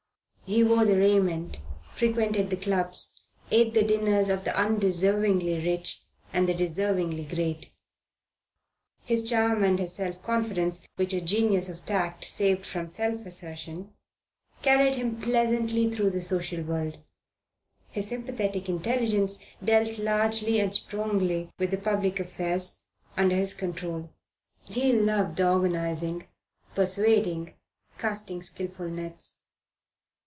He wore the raiment, frequented the clubs, ate the dinners of the undeservingly rich and the deservingly great. His charm and his self confidence, which a genius of tact saved from self assertion, carried him pleasantly through the social world; his sympathetic intelligence dealt largely and strongly with the public affairs under his control. He loved organizing, persuading, casting skilful nets.